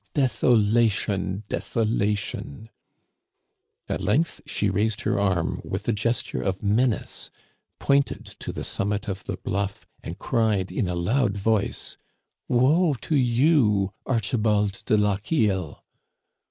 desolation ! desolation Î " At length she raised her arm with a gesture of menace, pointed to the summit of the bluff, and cried in a loud voice :" Woe to you, Archibald de Lochiel !